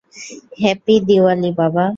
Happy Diwali, বাবা।